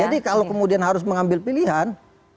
jadi kalau kemudian harus mengambil pilihan